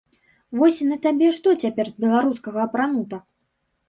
Вось на табе што цяпер з беларускага апранута?